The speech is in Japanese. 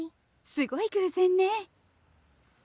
すごい偶然ね。